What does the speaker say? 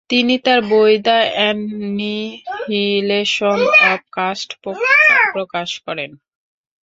তিনি তার বই দ্য এন্নিহিলেশন অব কাস্ট প্রকাশ করেন।